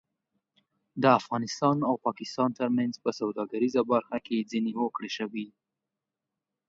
د افغانستان او پاکستان ترمنځ په سوداګریزه برخه کې ځینې هوکړې شوې